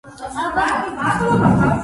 იგი დაკრძალულია სტოკჰოლმში.